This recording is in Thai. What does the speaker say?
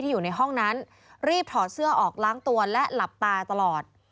อยู่ในห้องนั้นรีบถอดเสื้อออกล้างตัวและหลับตาตลอด